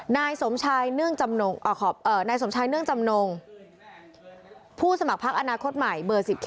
นายสมชายเนื่องจำนงผู้สมัครพักอนาคตใหม่๑๐๔